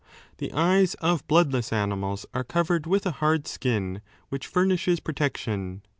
The eyes of bloodless animals are covered with a hard skin which furnishes protection.